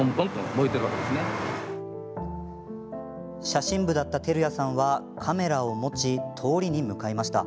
写真部だった照屋さんはカメラを持ち通りに向かいました。